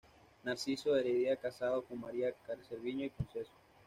Narciso Heredia, casado con María Cerviño y Pontejos.